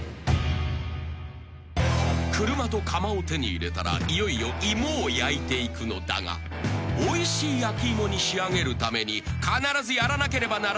［車とかまを手に入れたらいよいよ芋を焼いていくのだがおいしい焼き芋に仕上げるために必ずやらなければならないことがあるという］